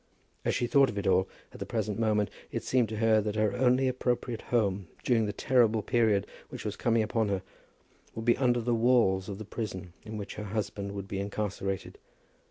As she thought of it all at the present moment, it seemed to her that her only appropriate home during the terrible period which was coming upon her, would be under the walls of the prison in which her husband would be incarcerated.